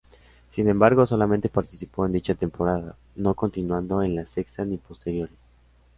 Sin embargo, solamente participó en dicha temporada, no continuando en la sexta ni posteriores.